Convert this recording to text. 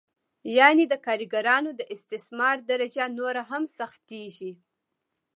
یانې د کارګرانو د استثمار درجه نوره هم سختېږي